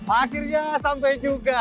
akhirnya sampai juga